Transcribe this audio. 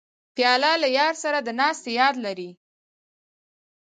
پیاله له یار سره د ناستې یاد لري.